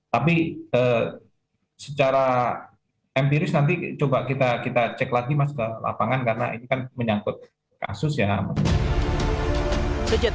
tapi secara empiris nanti coba kita cek lagi mas ke lapangan karena ini kan menyangkut kasus ya